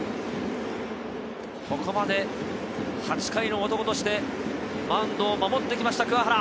ここまで８回の男としてマウンドを守ってきました鍬原。